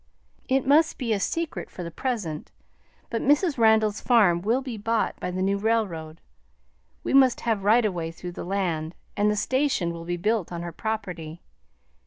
"It must be a secret for the present, but Mrs. Randall's farm will be bought by the new railroad. We must have right of way through the land, and the station will be built on her property.